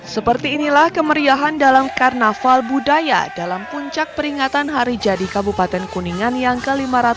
seperti inilah kemeriahan dalam karnaval budaya dalam puncak peringatan hari jadi kabupaten kuningan yang ke lima ratus tiga puluh